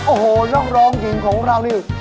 โอ้โหนักร้องหญิงของเรานี่